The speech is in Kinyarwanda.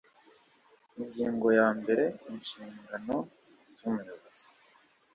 ingingo ya mbere inshingano z umuyobozi